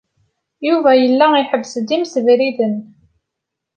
Yuba yella iḥebbes-d imsebriden.